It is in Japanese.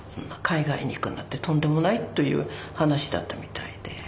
海外に行くなんてとんでもないという話だったみたいで。